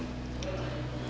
ya saya harap ibu tenang